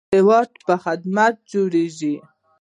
هیواد په خدمت جوړیږي